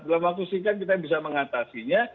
dalam waktu singkat kita bisa mengatasinya